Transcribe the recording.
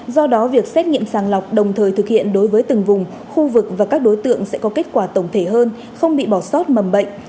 do đó việc xét nghiệm sàng lọc đồng thời thực hiện đối với từng vùng khu vực và các đối tượng sẽ có kết quả tổng thể hơn không bị bỏ sót mầm bệnh